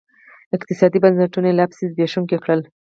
اقتصادي بنسټونه یې لاپسې زبېښونکي کړل.